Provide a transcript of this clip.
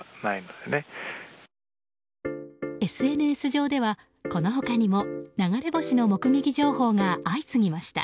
ＳＮＳ上では、この他にも流れ星の目撃情報が相次ぎました。